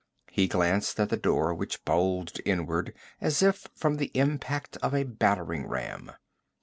He glanced at the door which bulged inward as if from the impact of a battering ram.